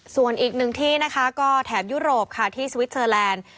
ส่วนอีกหนึ่งที่นะคะก็แถบยุโรปค่ะที่สวิสเตอร์แลนด์